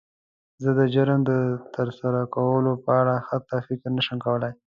زه د جرم د تر سره کولو په اړه حتی فکر نه شم کولی.